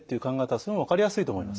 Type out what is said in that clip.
それも分かりやすいと思います。